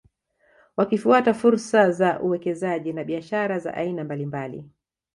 Wakifuata fursa za uwekezaji na biashara za aina mbalimbali